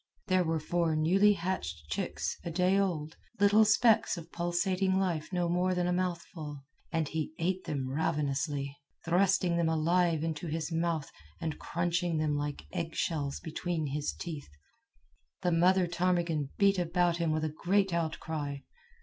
There were four newly hatched chicks, a day old little specks of pulsating life no more than a mouthful; and he ate them ravenously, thrusting them alive into his mouth and crunching them like egg shells between his teeth. The mother ptarmigan beat about him with great outcry.